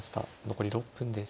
残り６分です。